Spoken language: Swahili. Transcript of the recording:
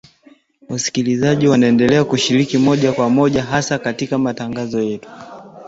Wasikilizaji waendelea kushiriki moja kwa moja hasa katika matangazo yetu